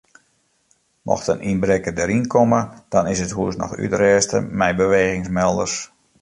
Mocht in ynbrekker deryn komme dan is it hûs noch útrêste mei bewegingsmelders.